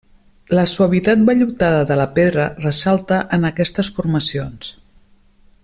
La suavitat vellutada de la pedra ressalta en aquestes formacions.